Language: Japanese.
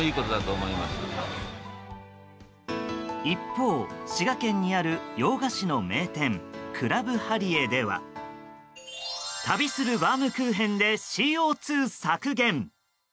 一方、滋賀県にある洋菓子の名店クラブハリエでは旅するバームクーヘンでＣＯ２削減。